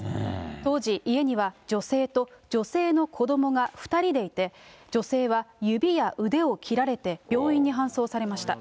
当時、家には女性と女性の子どもが２人でいて、女性は指や腕を切られて、病院に搬送されました。